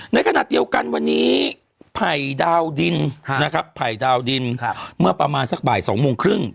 ในขณะเดียวกันวันนี้ภัยดาวดินเมื่อประมาณสักบ่าย๒โมงครึ่ง